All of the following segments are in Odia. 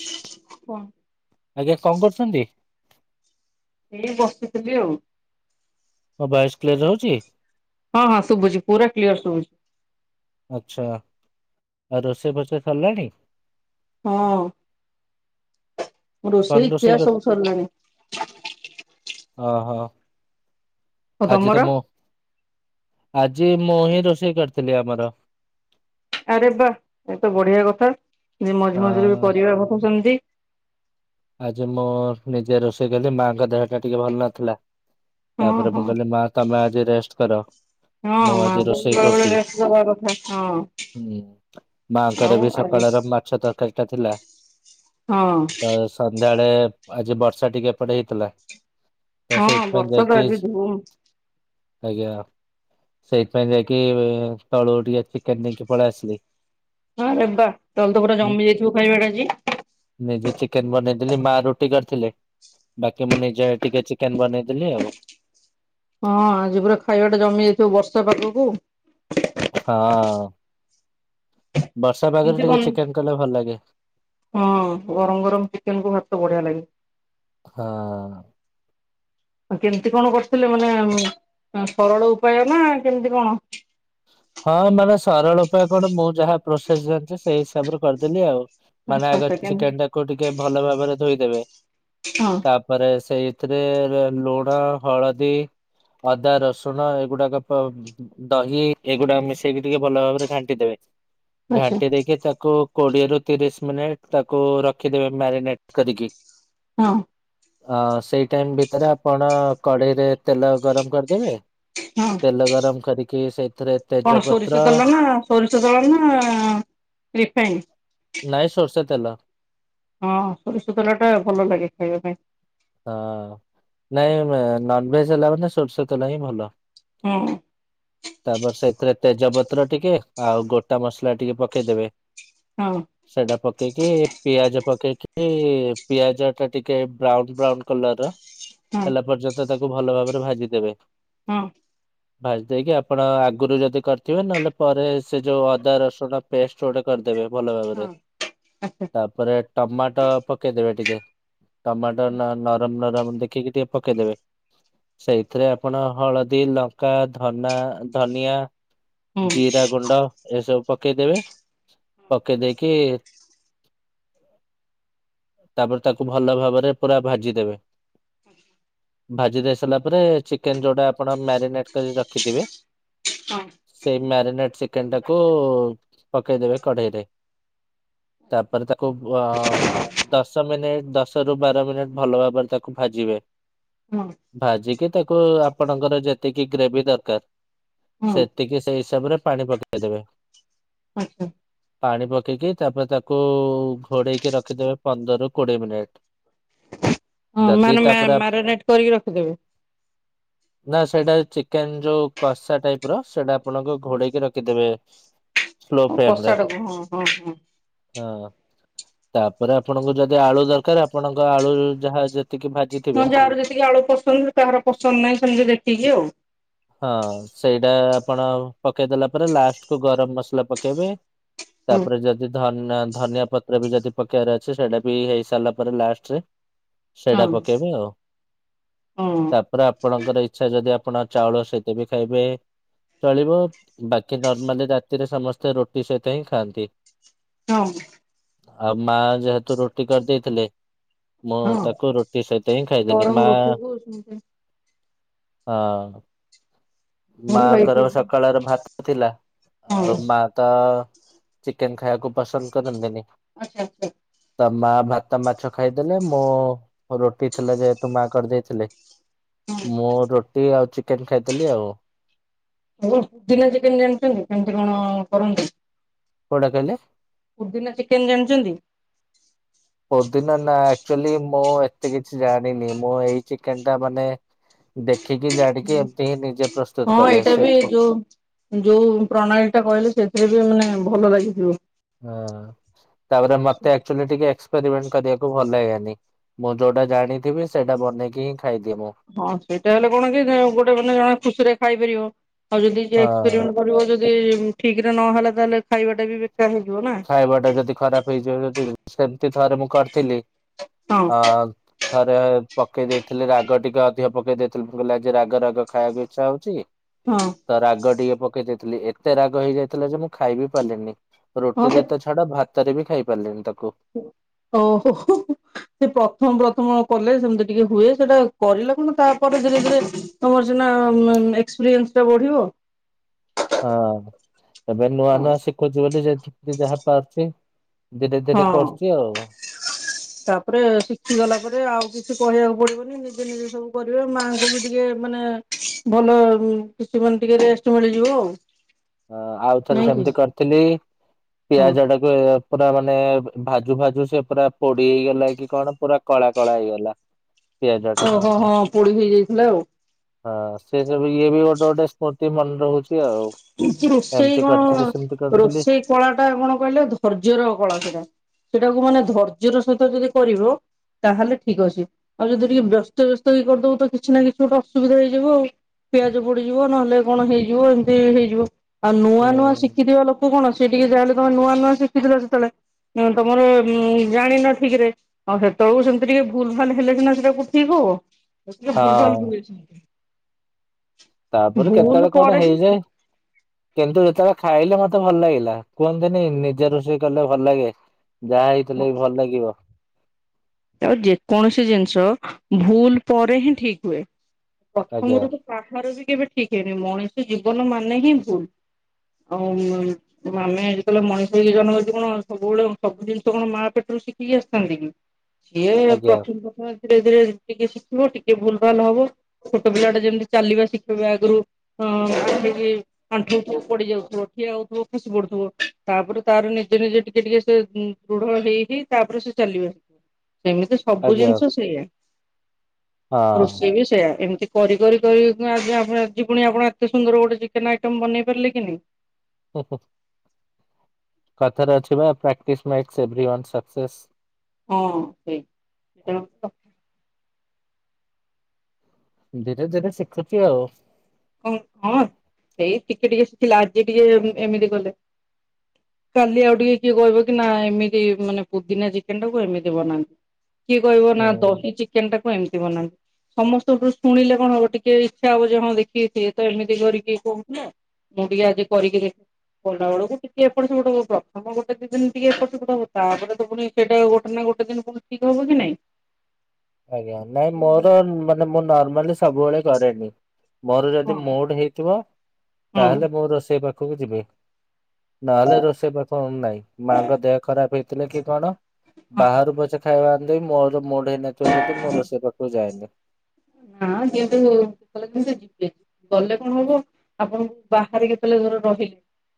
ହୁଁ ଆଜ୍ଞା କଣ କରୁଛନ୍ତି? ଏଇ ବସିଥିଲି ଆଉ। ହଁ ଭଏସ କ୍ଲିୟର ହଉଛି? ହଁ ହଁ ଶୁଭୁଛି ପୁରା କ୍ଲିୟର ଶୁଭୁଛି। ଆଛା ଆଉ ରୋଷେଇ ଫୋଷେଇ ସରିଲାଣି? ହଁ। ମୋ ରୋଷେଇ ଖିଆ ସବୁ ସରିଲାଣି। ହ-ହ ଆଉ ଆଜି ତମର ତ ମୁଁ ଆଜି ମୁଁ ହିଁ ରୋଷେଇ କରିଥିଲି ଆମର। ଆରେ ବା ଏତ ବଢିଆ କଥା, ଯେ ମଝି ଅ ମଝିରେ ବି ପରିବା କାଟୁଚନ୍ତି। ଆଜି ମୁଁ ନିଜେ ରୋଷେଇ କଲି ମାଆ ଙ୍କ ଦେହ ଟା ଟିକେ ଭଲ ନଥିଲା। ହଁ ତାପରେ ମୁଁ ହଁ। କହିଲି ମାଆ ତମେ ଆଜି ରେଷ୍ଟ କର। ହଁ ମୁଁ ଆଜି ମାଙ୍କୁ ବି ରୋଷେଇ ବେଳେ-ବେଳେ କରୁଛି। ରେଷ୍ଟ ଦେବା କଥା ହଁ। ହୁଁ ମାଆଙ୍କର ଆଉ ବି ଆଜି ସକାଳର ମାଛ ତରକାରୀ ଟା ଥିଲା। ହଁ। ତ ସନ୍ଧ୍ୟାବେଳେ ଆଜି ବର୍ଷା ଟିକେ ଏପଟେ ହେଇଥିଲା। ତ ହଁ ସେଇଥି ପାଇଁ ବର୍ଷା ତ ଯାଇକି ଆଜି ଧୁମ୍ ଆଜ୍ଞା। ସେଇଥିପାଇଁ ଯାଇକି ତଳୁ ଟିକେ ଚିକେନ୍ ନେଇକି ପଳେଇ ଆସିଲି। ହଁ ଆରେ ବା ତମର ତ ପୁରା ଜମି ଯାଇଥିବ ଖାଇବାଟା ଆଜି। ନିଜେ ଚିକେ ବନେଇଦେଲି ମା ରୁଟି କରିଥିଲେ, ବାକି ମୁଁ ନିଜେ ଟିକେ ଚିକେନ୍ ବନେଇଦେଲି ଆଉ। ହଁ ଆଜି ପୁରା ଖାଇବା ଟା ଜମି ଯାଇଥିବ ବର୍ଷା ପାଗକୁ। ହଁ ବର୍ଷା ପାଗରେ କେମିତି ଟିକେ କଣ ଚିକେନ୍ କଲେ ଭଲ ଲାଗେ। ହଁ ଗରମ୍-ଗରମ୍ ଚିକେନ୍ କୁ ଭାତ ବଢିଆ ଲାଗେ। ହଁ। କେମ୍ତି କଣ କରିଥିଲେ ମାନେ ସରଳ ଉପାୟ ନା କେମ୍ତି କଣ? ହଁ ମାନେ ସରଳ ଉପାୟ କଣ, ମୁଁ ଯାହା ପ୍ରୋସେସ୍ ଜାଣିଚି ସେଇ ହିସାବରେ କରିଦେଲି ଆଉ। ମାନେ ଆଚ୍ଛା ଆଗେ ଆଚ୍ଛା ଚିକେନ୍ କେମତି ଟାକୁ ଟିକେ ଭଲ ଭାବରେ ଧୋଇଦେବେ ହଁ ତା ପରେ ସେଇଥିରେ ଲୁଣ ହଳଦୀ ଅଦା ରସୁଣ ଏଗୁଡାକ ପ ଦହି ଏଗୁଡା ମିଶେଇକି ଟିକେ ଭଲ ଭାବରେ ଘାଣ୍ଟି ଦେବେ, ଆଚ୍ଛା ଘାଣ୍ଟି ଦେଇକି ତାକୁ କୋଡ଼ିଏ ରୁ ତିରିଶ ମିନିଟ୍ ତାକୁ ରଖିଦେବେ ମ୍ୟାରିନେଟ୍ କରିକି। ହଁ। ହଁ ସେଇ ଟାଇମ୍ ଭିତରେ ଆପଣ କଡ଼େଇରେ ତେଲ ଗରମ୍ କରିଦେବେ ହଁ ତେଲ ଗରମ୍ କରିକି ସେ କଣ ସୋରିଷ ତେଲ ନା ସୋରିଷ ତେଲ ନା ରିଫାଇନ୍। ନାଇଁ ସୋରଷ ତେଲ। ହଁ ସୋରିଷ ତେଲ ଟା ଭଲ ଲାଗେ ଖାଇବା ପାଇଁ। ହଁ ନାଇଁ ନନଭେଜ୍ ହେଲା ମାନେ ସୋରିଷ ତେଲ ହିଁ ଭଲ। ହୁଁ। ତାପରେ ସେଥିରେ ତେଜପତ୍ର ଟିକେ ଆଉ ଗୋଟା ମସଲା ଟିକେ ପକେଇଦେବେ ହଁ। ସେଟା ପକେଇକି ପିଆଜ ପକେଇକି ପିଆଜ ଟା ଟିକେ ବ୍ରାଉନ ବ୍ରାଉନ୍ କଲର ର ହଁ ହେଲା ପର୍ଯ୍ୟନ୍ତ ତାକୁ ଭଲ ଭାବରେ ଭାଜି ଦେବେ। ହଁ। ଭାଜି ଦେଇକି ଆପଣ ଆଗରୁ ଯଦି କରିଥିବେ, ନହେଲେ ପରେ ସେ ଯୋଉ ଅଦା ରସୁଣ ପେଷ୍ଟ ଗୋଟେ କରିଦେବେ। ଭଲ ଭାବରେ ହଁ ଆଚ୍ଛା ତାପରେ ଟମାଟୋ ପକେଇଦେବେ ଟିକେ ଟମାଟ ନରମ୍-ନରମ୍ ଦେଖିକି ଟିକେ ପକେଇଦେବେ। ସେଇଥିରେ ଆପଣ ହଳଦୀ ଲଙ୍କା ଧନା ଧନିଆ ହୁଁ ଜିରା ଗୁଣ୍ଡ ଏସବୁ ପକେଇଦେବେ। ପକେଇ ଦେଇକି ତାପରେ ତାକୁ ଭଲ ଭାବରେ ପୁରା ଭାଜିଦେବେ। ଭାଜି ଦେଇ ସାରିଲା ପରେ ଚିକେନ ଯୋଉଟା ଆପଣ ମ୍ୟାରିନେଟ କରିକି ରଖିଥିବେ ହଁ ସେଇ ମ୍ୟାରିନେଟ ଚିକେନ ଟାକୁ ପକେଇଦେବେ କଢେଇରେ। ତାପରେ ତାକୁ ଅ ଦଶ ମିନିଟ ଦଶ ରୁ ବାର ମିନିଟ ଭଲ ଭାବରେ ତାକୁ ଭାଜିବେ। ହଁ ଭାଜିକି ତାକୁ ଆପଣଙ୍କର ଯେତିକି ଗ୍ରେଭି ଦରକାର ହଁ ସେ ତିକି ସେଇ ହିସାବ ରେ ପାଣି ପକେଇଦେବେ। ଆଛା। ପାଣି ପକେଇକି ତାପରେ ତାକୁ ଘୋଡେଇକି ରଖିଦେବେ ପନ୍ଦରରୁ କୋଡିଏ ମିନିଟ। ହଁ ମାନେ ମା ଆପ- ମ୍ୟାରିନେଟ କରିକି ରଖିଦେବି? ନା ସେଇଟା ଚିକେନ ଯୋଉ କଷା ଟାଇପ ର ସେଇଟା ଆପଣଙ୍କ ଘୋଡେଇକି ରଖିଦେବେ। ସ୍ଲୋ ଫ୍ଲେମରେ। କଷାଟାକୁ ହଁ ହଁ ହଁ ହଁ ତାପରେ ଆପଣଙ୍କୁ ଯଦି ଆଳୁ ଦରକାର ଆ ଆପଣଙ୍କ ଆଳୁ ଯାହା ଯେତିକି ଭାଜି ହଁ ଯାହାର ଯେତିକି ଆଳୁ ପସନ୍ଦ କାହାର ପସନ୍ଦ ନାହିଁ ସେମିତି ଦେଖିକି ଆଉ। ହଁ ସେଇଟା ଆପଣ ପକେଇଦେଲା ପରେ ଲାଷ୍ଟ କୁ ଗରମ ମସଲା ପକେଇବେ। ହଁ ତାପରେ ଯଦି ଧ ଧନିଆ ପତ୍ର ବି ଯଦି ପକେଇବାର ଅଛି ସେଇଟା ବି ହେଇସାରିଲା ପରେ ଲାଷ୍ଟରେ ହଁ ସେଇଟା ପକେଇବେ ଆଉ। ହଁ ତାପରେ ଆପଣଙ୍କର ଇଚ୍ଛା ଯଦି ଆପଣ ଚାଉଳ ସହିତ ବି ଖାଇବେ ଚଳିବ। ବାକି ନର୍ମାଲି ରାତିରେ ସମସ୍ତେ ରୁଟି ସହିତ ହିଁ ଖାଆନ୍ତି। ହଁ। ଆଉ ମା ଯେହେତୁ ରୁଟି କରିଦେଇଥିଲେ ମୁଁ ହଁ। ତାକୁ ରୁଟି ସହିତ ହିଁ ଖାଇଦେଲି। ଗରମ ମା ରୁଟିକୁ ହଁ। ଭଲ ମାଙ୍କର ଲାଗିବ। ସକାଳର ଭାତ ଥିଲା। ହଁ ଆଉ ମା ତ ଚିକେନ ଖାଇବାକୁ ପସନ୍ଦ କରନ୍ତିନି। ଆଚ୍ଛା ଆଚ୍ଛା ତ ମା ଭାତ ମାଛ ଖାଇଦେଲେ। ମୁଁ ରୋଟି ଥିଲା ଯେହେତୁ ମା କରିଦେଇଥିଲେ ହଁ। ମୁଁ ରୁଟି ଆଉ ଚିକେନ ଖାଇଦେଲି ଆଉ। [unintelligible] କେମିତି କଣ କରନ୍ତି? କଉଟା କହିଲେ? ପୋଦିନା ଚିକେନ ଜାଣିଛନ୍ତି? ପୋଦିନା ନା ଆକଚୁଲି ମୁଁ ଏତେ କିଛି ଜାଣିନି। ମୁଁ ଏଇ ଚିକେନ ଟା ମାନେ ଦେଖିକି ଜାଣିକି ଏମତି ହିଁ ନିଜେ ହଁ ପ୍ରସ୍ତୁତ କରେ। ଏଇଟା ସେ ବି ଯୋଉ ଯୋଉ ପ୍ରଣାଳୀ ଟା କହିଲେ ସେଥିରେ ବି ମାନେ ଭଲ ଲାଗିଥିବ। ହଁ ତାପରେ ମତେ ଆକଚୁଲି ଟିକେ ଏକ୍ସପେରିମେଣ୍ଟ କରିବାକୁ ଭଲ ଲାଗେନି। ମୁଁ ଯୋଉଟା ଜାଣିଥିବି ସେଇଟା ବନେଇକି ହିଁ ଖାଇଦିଏ ମୁଁ। ହଁ ସେଇଟା ହେଲେ କଣ କି ଗୋଟେ ମାନେ ଜଣେ ଖୁସିରେ ଖାଇପାରିବ। ଆଉ ଯଦି ଯିଏ ହଁ। ଏକ୍ସପେରିମେଣ୍ଟ କରିବ ଯଦି ଯଦି ଠିକ ରେ ନହେଲା ତାହେଲେ ଖାଇବା ଟା ବି ବେକାର ହେଇଯିବ ନା। ଖାଇବା ଟା ଯଦି ଖରାପ ହେଇଯିବ ଯଦି ସେମତି ଥରେ ମୁଁ କରିଥିଲି। ଅ ହଁ। ଥରେ ପକେଇ ଦେଇଥିଲି ରାଗ ଟିକେ ଅଧିକ ପକେଇ ଦେଇଥିଲି। ଭଲ ଟିକେ ରାଗ ରାଗ ଖାଇବାକୁ ଇଚ୍ଛା ହଉଛି। ହଁ। ତ ରାଗ ଟିକେ ପକେଇ ଦେଇଥିଲି। ଏତେ ରାଗ ହେଇଯାଇଥିଲା ଯେ ମୁଁ ଖାଇବିି ପାରିଲିନି। ହଁ ସେ ରୁଟିରେ ତ ଛାଡ ଭାତରେ ବି ଖାଇ ପାରିଲିନି ତାକୁ। ଓହୋ ହୋ। ସେ ପ୍ରଥମ ପ୍ରଥମ କଲେ ସେମତି ଟିକେ ହୁଏ। ସେଟା କରିଲେ କଣ ତାପରେ ଧୀରେ ଧୀରେ ତମର ସିନା ଏକ୍ସପିରିଏନ୍ସ ଟା ବଢିବ। ହଁ ଏବେ ନୂଆ ନୂଆ ଶିଖୁଛି ବୋଲି [unintelligible] ଯାହା ପାରୁଛି ଧୀରେ ଧୀରେ ହଁ କରୁଛି ଆଉ। [unintelligible] ତାପରେ ଶିଖି ଗଲା ପରେ ଆଉ କିଛି କହିବାକୁ ପଡିବନି ନିଜେ ନିଜେ ସବୁ କରିବେ ମାଆଙ୍କୁ ବି ଟିକେ ମାନେ ଭଲ କିଛି ମାନେ ଟିକେ ରେଷ୍ଟ ମିଳିଯିବ ଆଉ। ଅ। ଆଉଥରେ ନାଇଁ କି ସେମିତି କରିଥିଲି ହଁ ପିଆଜ ଟା ପୁରା ମାନେ ଭାଜୁ ଭାଜୁ ସେ ପୁରା ପୋଡି ହେଇଗଲା କି କଣ ପୁରା କଳା କଳା ହେଇଗଲା। ପିଆଜ ଟା ଓହୋ ହଁ ପୋଡି ହେଇଯାଇଥିଲା ଆଉ। ହଁ ସେ ସବୁ ଇଏ ବି ଗୋଟେ ଗୋଟେ ସ୍ମୃତି ମନେ ରହୁଛି ଆଉ। ଏ ରୋଷେଇ ଏମିତି କଣ କରିଥିଲି ସେମିତି କରିଥିଲି ରୋଷେଇ କଳା ଟା କଣ କହିଲେ ଧୈର୍ଯ୍ୟର କଳା ସେଇଟା। ସେଇଟାକୁ ମାନେ ଧୈର୍ଯ୍ୟର ସହିତ ଯଦି କରିବ ତାହେଲେ ଠିକ୍ ଅଛି ଆଉ ଯଦି ଟିକେ ବ୍ୟସ୍ତ ବ୍ୟସ୍ତ ହେଇକି କରିଦବ ତ କିଛି ନା କିଛି ଗୋଟେ ଅସୁବିଧା ହେଇଯିବ ଆଉ। ପିଆଜ ପୋଡିଯିବ ନହେଲେ କଣ ହେଇଯିବ ଏମତି। ସେହେଇଯିବ ଆଉ ନୂଆ ନୂଆ ହୁଁ। ଶିଖିଥିବା ଲୋକ କଣ ସିଏ ଟିକେ ଯାହାହେଲେ ତମେ ନୂଆ ନୂଆ ଶିଖିଥିଲ ସେତଓ ଳେ ହଁ ତମର ଜାଣିନ ଠିକ୍ ରେ ଆଉ ହେତେବେଳକୁ ସେମିତି ଟିକେ ଭୁଲ୍ ଭାଲ୍ ହେଲେ ସିନା ସେଟା ଠିକ୍ ହବ ଭୁଲ୍ ଭ। ଲ୍ ହଁ ହୁଏ ସେମିତି। ତାପରେ କେତେବେଳେ କଣ ପରେ ହିଁ ହେଇଯାଏ। କିନ୍ତୁ ଯେତେବେଳେ ଖାଇଲେ ମତେ ଭଲ ଲାଗିଲା କୁହନ୍ତନି ନିଜେ ରୋଷେଇ କଲେ ଭଲ ଲାଗେ। ଯାହା ହେଇଥିଲେ ବି ଭଲ ଲାଗିବ। ଆଉ ଯେକୌଣସି ଜିନିଷ ଭୁଲ୍ ପରେ ହିଁ ଠିକ୍ ହୁଏ ଆଜ୍ଞା ପ୍ରଥମରୁ କାହାର ବି କେବେ ଠିକ୍ ହେଇନି ମଣିଷ ଜୀବନ ମାନେ ହିଁ ଭୁଲ୍ ଆଉ ଆମେ ଯେତେବେଳେ ମଣିଷ ହେଇକି ଜନ୍ମ ହେଇଛେ କଣ ସବୁବେଳେ ସବୁ ଜିନିଷ କଣ ମା ପେଟରୁ ଶିଖିକି ଆସିଥାନ୍ତି କି? କିଏ ଆଜ୍ଞା ପ୍ରଥମ ପ୍ରଥମେ ଧୀରେ ଧୀରେ ଟିକେ ଶିଖିବ ଟିକେ ଭୁଲ୍ ଭାଲ୍ ହବ। ଛୋଟ ପିଲା ଟା ଯେମିତି ଚାଲିବା ଶିଖିବା ଆଗରୁ ଆଣ୍ଠେଇ କି - ଆଣ୍ଠଉଥିବ ପଡି ଯାଉଥିବ ଠିଆ ହଉଥିବ ଖସି ପଡୁଥିବ ତାପରେ ତାର ନିଜେ ନିଜେ ଟିକେ ଟିକେ ସେ ଦୃଢ ହେଇ ହେଇ ତାପରେ ସେ ଚାଲିବେ ସେମିତି ସବୁ ଆଜ୍ଞା ହଁ। ଜିନିଷ ସେଇୟା। ରୋଷେଇ ବି ସେୟା ଏମତି କରି କରି କରି ଆଜି ପୁଣି ଆପଣ ଏତେ ସୁନ୍ଦର ଗୋଟେ ଚିକେନ୍ ଆଇଟମ୍ ବନେଇ ପାରିଲେ କି ନାଇଁ। ହୁଁ ହୁଁ। କଥାରେ ଅଛି ପା practice makes every one success. ହଁ ଠିକ୍ ତେଣୁ ପା ଧୀରେ ଧୀରେ ଶିଖୁଛି ଆଉ। କଣ ହଁ ସେଇ ଟିକେ ଟିକେ ଶିଖିଲା ଆଜି ଟିକେ ଏମିତି କଲେ। କାଲି ଆଉ ଟିକେ କିଏ କହିବ କି ନା ଏମିତି ମାନେ ପୋ ଦିନା ଚିକେନ୍ ଟାକୁ ଏମିତି ବନାନ୍ତି। କିଏ କହିବ ନା ହୁଁ। ଦହି ଚି ଚିକେନ୍ ଟା କୁ ଏମିତି ବନାନ୍ତି ସମସ୍ତଠୁ ଶୁଣିଲେ କଣ ହବ ଟିକେ ଇଛା ହବ ହଁ ଦେଖ କି ସିଏ ତ ଏମିତି କରିକି କହୁଥିଲା ମୁଁ ଟିକେ ଆଜି କରିକି ଦେଖି କଲାବେଳକୁ ଟିକେ ଏପଟ ସେପଟ ହବପ୍ରଥମ ଗୋଟେ ଦି ଦିନ ଟିକେ ଏପଟସେପଟ ହବ ତାପରେ ତ ପୁଣି ସେଇଟା ଗୋଟେ ନା ଗୋଟେଦିନ ପୁଣି ଠିକ୍ ହବ କି ନାଇଁ। ଆଜ୍ଞା ନାଇଁ ହୁଁ ମୋର ହୁଁ। ମାନେ ମୁଁ ନର୍ମାଲି ସବୁବେଳେ କରେନି। ମୋର ହଁ ଯଦି ମୁଡ୍ ହେଇଥିବ ହଁ ତାହେଲେ ମୁଁ ରୋଷେଇ ପାଖକୁ ଯିବି। ନହେଲେ ରୋଷେଇ ପାଖକୁ ନାହିଁ ମାଙ୍କ ଦେହ ଖରାପ ହେଇଥିଲେ କି କଣ ହଁ। ବାହାରୁ ପଛେ ଖାଇବା ଆଣିଦେଵି ମୋର ମୁଡ୍ ହେଇନଥିବ ଯଦି ମୋ ରୋଷେଇ ପାଖକୁ ଯାଏନି। ହଁ କିନ୍ତୁ [unintelligible] ଯିବେ। ଗଲେ କଣ ହବ ଆପଣ ବାହାରେ କେତେବେଳେ ଧର ରହି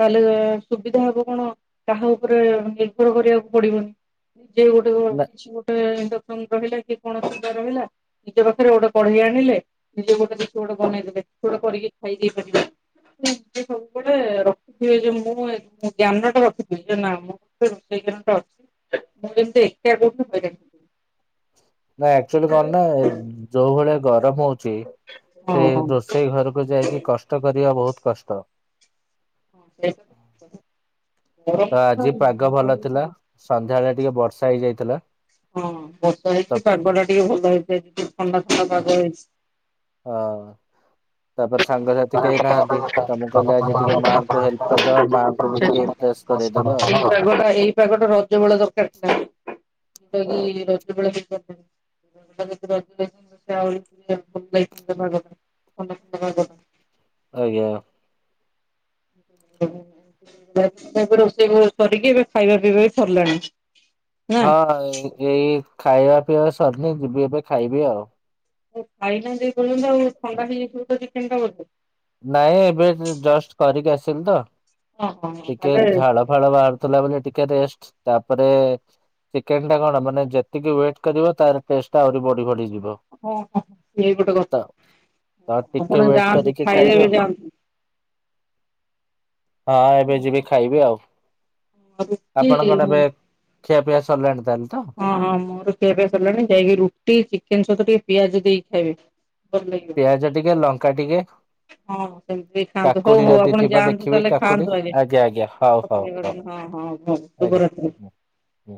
ତାହେଲେ ସୁବିଧା ହବ କଣ କାହା ଉପରେ ନିର୍ଭର କରିବାକୁ ପଡିବନି। ନିଜେ ଗୋଟେ କିଛି ଗୋଟେ ଇଣ୍ଡସନ ରହିଲା କି କଣ ଅସୁବିଧା ରହିଲା ନିଜ ପାଖରେ ଗୋଟେ ପଢେଇ ଆଣିଲେ ନିଜେ ଗୋଟେ କିଛି ଗୋଟେ ବନେଇଦେବେ କିଛି ଗୋଟେ କରିକି ଖାଇ ଦେଇ ପାରିବେ। ସବୁବେଳେ ରଖିଥିବେ ଯେ ମୁଁ ଜ୍ଞାନଟା ରଖିଥିବି ଯେ ନା ମୁଁ ରୋଷେଇ କାମ ଟା ଅଛି ମୁଁ ଯେମିତି ଏକା ବୋହୁତୁ ହରାଣ। ନାଁ ଆକ୍ଚୁଆଲି କଣ ନା ଯୋଉ ଭଳିଆ ଗରମ ହଉଛି ଛି ସେ ହଁ ହଁ। ରୋଷେଇ ଘରକୁ ଯାଇକି କଷ୍ଟ କରିବା ବହୁତ କଷ୍ଟ। [unintelligible] ସନ୍ଧ୍ୟାବେେଳେ ଟିକେ ବର୍ଷା ହେଇଯାଇଥିଲା। ହଁ ବର୍ଷା ତ ହେଇଛି ପାଗ ଟା ଟିକେ ଭଲ ହେଇଯାଇଛି ଟିକେ ଥଣ୍ଡା ଥଣ୍ଡା ପାଗ ହେଇଛି। ହଁ। ତାପରେ ସାଙ୍ଗସାଥି କେହି ନାହାନ୍ତି ତ ମୁଁ କହିଲି ଆଜି ଟିକେ ମାଆଙ୍କୁ ହେଲ୍ପ କରିଦବା ମାଆଙ୍କୁ ବି ଟିକେ ଇଂପ୍ରେସ ଏଇ ପାଗଟା ଏଇ ପାଗଟା ରଜ ବେଳେ ଦରକାର ଥିଲା। ର ରଟେ ବେଳେ [inaudible] ରଜ ଆହୁାଗ ଖଣ୍ଡଣ୍ଡ [inaudible] ଆଜ୍ଞା। [inaudible] [inaudible] ରୋଷେଇ କରିକି ଏବେ ଖାଇବା ପିଇବା ବି ସରିଲାଣି। ନା। ହଁ ଏଇ ଖାଇବା ପିଇବା ସରିନି ଯିବି ଏବେ ଖାଇବି ଆଉ। ଖାଇନାହାନ୍ତି ଏ ପର୍ଯ୍ୟନ୍ତ ଆଉ ଥଣ୍ଡା ହେଇ ଯାଇଥିବ ତ ଟିଫିନ ଟା ବୋଧେ। ନାଇଁ ଏବେ ଜଷ୍ଟ କରିକି ଆସିଲି ତ ହଁ ହଁ ହଁ ଟିକେ ଝାଳ ତାହେଲେ ଫାଳ ବାହାରୁଥିଲା ବୋଲି ଟିକେ ରେଷ୍ଟ ତାପରେ ଚିକେନ ଟା କଣ ମାନେ ଯେତିକି ୱେଟ କରିବ ତାର ଟେଷ୍ଟ ଟା ଆହୁରି ବଢି ବଢିଯିବ। ହଁ ହ ହ ସିଏ ଗୋଟେ ତ ତ କଥା ଟିକେ ଆପଣ ୱେଟ ଯାଆନ୍ତୁ କରିକି ଖାଇଲେ ଖାଇବି ବି ଆଉ ଯାଆନ୍ତୁ। ହଁ ଏବେ ଯିବି ଖାଇବି ଆଉ ରୁଟି ଆପଣ କଣ ଏବେ ଖିଆ ପିଆ ସିଲାଣି ତାହେଲେ ତ। ହଁ ହଁ ମୋର ଖିଆପିଆ ସରିଲାଣି ଯାଇକି ରୁଟି ଚିକେନ ସହିତ ଟିକେ ପିଆଜ ଦେଇକି ଖାଇବେ। ଭଲ ଲାଗିବ ପିଆଜ ଟିକେ ଲଙ୍କା ଟିକେ। ହଁ ସେମିତି ବି ଖାଆନ୍ତୁ ହଉ କାକୁଡି ହଉ ଯଦି ଆପଣ ଥିବ ଯାଆନ୍ତୁ ଦେଖିବି ତାହେଲେ କାକୁଡି ଖାଆନ୍ତୁ ଏବେ ଆଜ୍ଞା ଆଜ୍ଞା ହଉ ହଉ ହଉ ରଖୁଛି ହଁ ହଁ। ହଁ ତ ଆଜ୍ଞା ବର [inaudible] ହୁଁ ହୁଁ।